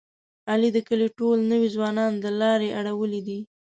علي د کلي ټول نوی ځوانان د لارې اړولي دي.